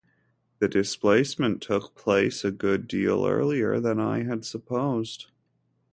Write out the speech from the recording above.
The displacement took place a good deal earlier than I had supposed.